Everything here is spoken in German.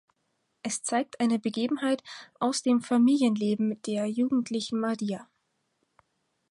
Es zeigt eine Begebenheit aus dem Familienleben der jugendlichen Maria.